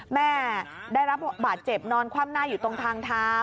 แม่ได้รับบาดเจ็บนอนคว่ำหน้าอยู่ตรงทางเท้า